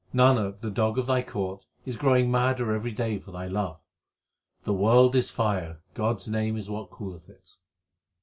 Nanak, the dog of Thy court, is growing madder every day for Thy love. The world is fire, God s name is what cooleth it.